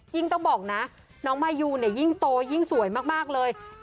ยิ่งต้องบอกน้องมายุยิ่งโตยิ่งสวยมากเลย